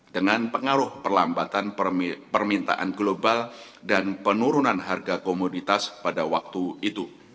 dengan pengaruh perlambatan permintaan global dan penurunan harga komoditas pada waktu itu